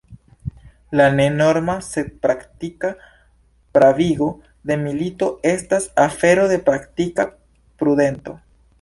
La ne norma, sed praktika pravigo de milito estas afero de praktika prudento.